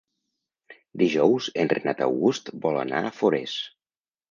Dijous en Renat August vol anar a Forès.